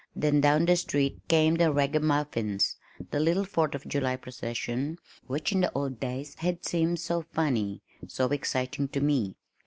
Then down the street came "The Ragamuffins," the little Fourth of July procession, which in the old days had seemed so funny, so exciting to me.